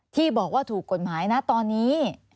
ที่บอกว่าถูกกฎหมายนะตอนนี้